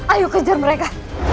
ayo kejar mereka